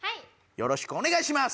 よろしくお願いします。